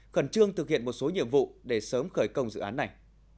khẩn trương thực hiện một số nhiệm vụ để sớm khởi công dự án này